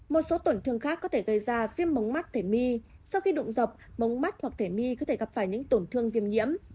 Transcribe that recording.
một số tổn thương khác có thể gây ra viêm mống mắt thể mi sau khi đụng dập mống mắt hoặc thể my có thể gặp phải những tổn thương viêm nhiễm